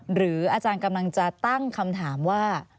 หรืออาจารย์กำลังจะตั้งคำถามว่า